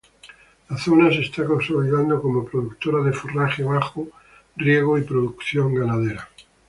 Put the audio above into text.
La zona se está consolidando como productora de forraje bajo riego y producción ganadera.